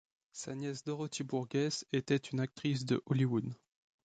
Sa nièce Dorothy Burgess était une actrice de Hollywood.